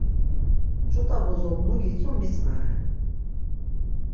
ç̌ut̆a bozok mu gitzu mitzvare.